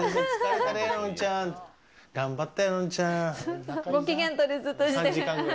頑張ったよ、のんちゃん。